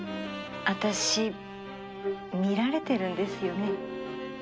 「私見られてるんですよね？」